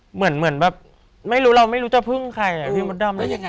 เหมือนแบบไม่รู้เราไม่รู้เจ้าพรุ่งใครพี่มดดำ